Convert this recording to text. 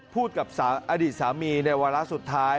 พูดกับอดีตสามีในวาระสุดท้าย